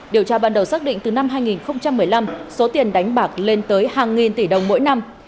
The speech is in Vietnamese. điều tra ban đầu xác định từ năm hai nghìn một mươi năm số tiền đánh bạc lên tới hàng nghìn tỷ đồng mỗi năm